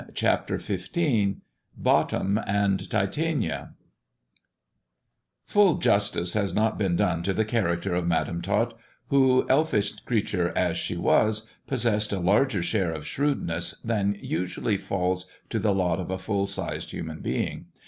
CHAPTER XV BOTTOM AND TITANIA I7MJLL justice has not been done to the character of Madam Tot, who, elfish creature as she was, possessed a larger share of shrewdness than usually falls to the lot of a full sized human being.